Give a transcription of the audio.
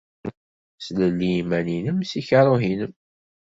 Slelli iman-nnem seg kaṛuh-nnem.